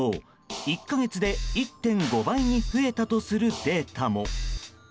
１か月で１．５倍に増えたとするデータも。